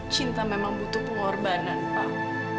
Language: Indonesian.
cinta memang butuh pengorbanan pak